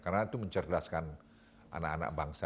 karena itu mencerdaskan anak anak bangsa ya